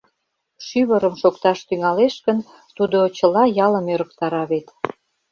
Шӱвырым шокташ тӱҥалеш гын, тудо чыла ялым ӧрыктара вет.